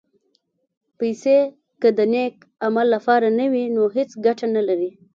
پېسې که د نېک عمل لپاره نه وي، نو هېڅ ګټه نه لري.